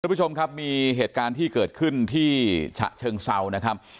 ผู้ชมครับมีเหตุการณ์ที่เกิดขึ้นที่ฉะเชิงเซานะครับ